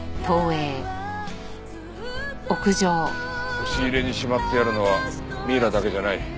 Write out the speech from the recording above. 押し入れにしまってあるのはミイラだけじゃない。